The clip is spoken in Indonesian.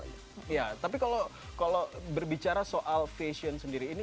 iya tapi kalau berbicara soal fashion sendiri ini